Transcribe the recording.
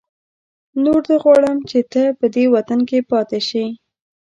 نور نه غواړم چې ته په دې وطن کې پاتې شې.